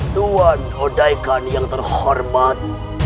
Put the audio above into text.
tuan odaikan yang terhormat